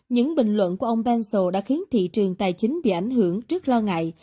những bình luận của ông pencio đã khiến thị trường tài chính bị ảnh hưởng trước lo ngại